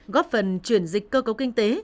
góp phần chuyển dịch cơ cấu kinh tế